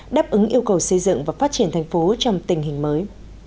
đáp ứng yêu cầu xây dựng và phát triển thành phố trong tình hình mới